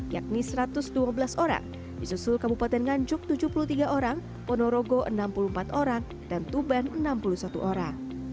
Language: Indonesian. yakni satu ratus dua belas orang disusul kabupaten nganjuk tujuh puluh tiga orang ponorogo enam puluh empat orang dan tuban enam puluh satu orang